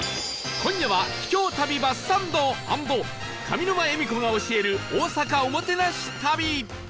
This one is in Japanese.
今夜は秘境旅バスサンド＆上沼恵美子が教える大阪おもてなし旅